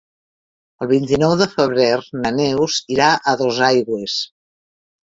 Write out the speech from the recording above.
El vint-i-nou de febrer na Neus irà a Dosaigües.